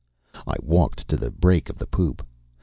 I walked to the break of the poop.